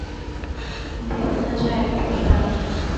দেব না যা এক পয়সা আমি!